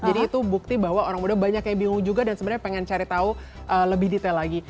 jadi itu bukti bahwa orang muda banyak yang bingung juga dan sebenarnya pengen cari tahu lebih detail lagi